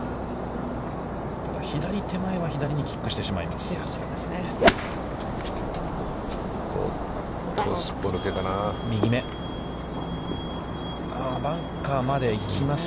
左手前は、左にキックしてしまいます。